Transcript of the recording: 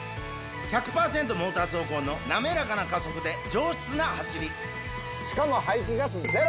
モーター走行の滑らかな加速で上質な走りしかも。